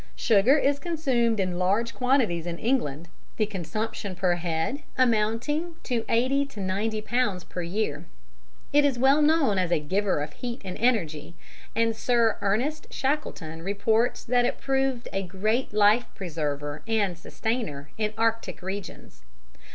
Sugar is consumed in large quantities in England, the consumption per head amounting to 80 90 lbs. per year. It is well known as a giver of heat and energy, and Sir Ernest Shackleton reports that it proved a great life preserver and sustainer in Arctic regions.